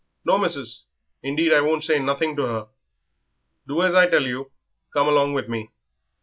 "No, missis, indeed I won't say nothing to her." "Do as I tell you. Come along with me."